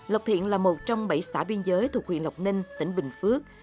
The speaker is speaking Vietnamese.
lộc thiện là một trong bảy xã biên giới thuộc huyện lộc ninh tỉnh bình phước